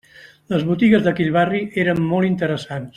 Les botigues d'aquell barri eren molt interessants.